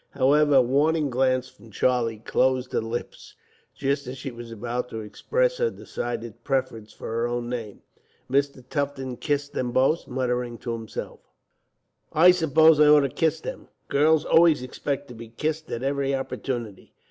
However, a warning glance from Charlie closed her lips, just as she was about to express her decided preference for her own name. Mr. Tufton kissed them both, muttering to himself: "I suppose I ought to kiss them. Girls always expect to be kissed at every opportunity.